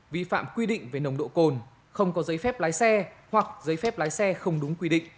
vi phạm quy định về nồng độ cồn không có giấy phép lái xe hoặc giấy phép lái xe không đúng quy định